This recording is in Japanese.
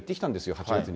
８月に。